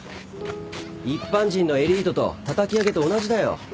一般人のエリートとたたき上げと同じだよ。